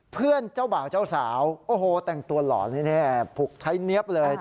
เพื่อนเจ้าบ่าเจ้าสาวโอ้โหแต่งตัวหล่อพุกใช้เนี๊ยบเลย